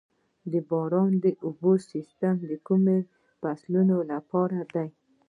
د باراني اوبو سیستم د کومو فصلونو لپاره دی؟